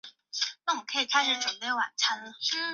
磁化学即研究分子原子中特性与磁学相关的化学问题。